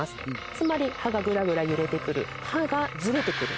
つまり歯がぐらぐら揺れてくる歯がずれてくる。